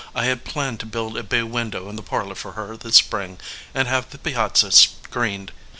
I had planned to build a bay window in the parlor for her this spring and have the piazza screened.